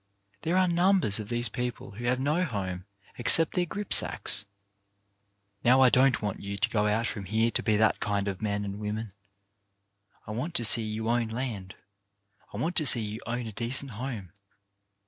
There are num bers of these people who have no home except their gripsacks. Now I don't want you to go out from here to be that kind of men and women. I want to see you own land. I want to see you own a decent home.